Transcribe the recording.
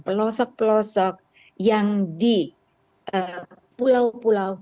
pelosok pelosok yang di pulau pulau